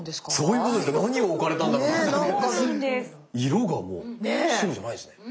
色がもう白じゃないですね。ね！